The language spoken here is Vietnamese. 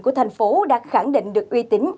của thành phố đã khẳng định được uy tín